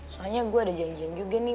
soalnya gue ada janjian juga nih